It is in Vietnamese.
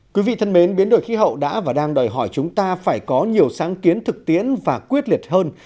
quý vị thân mến biến đổi khí hậu đã và đang đòi hỏi chúng ta phải có nhiều sáng kiến thực tiễn và quyết liệt hơn